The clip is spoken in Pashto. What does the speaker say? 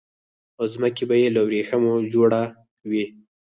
او ځمکه به يي له وريښمو جوړه وي